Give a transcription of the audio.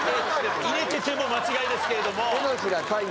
入れてても間違いですけれども。